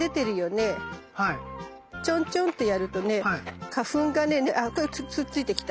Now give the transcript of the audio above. チョンチョンってやるとね花粉がねあっこれくっついてきた。